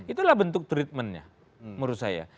itulah bentuk treatmentnya menurut saya